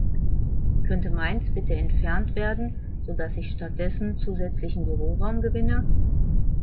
Könnte meins bitte entfernt werden, so dass ich statt dessen zusätzlichen Büroraum gewinne?